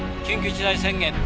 緊急事態宣言。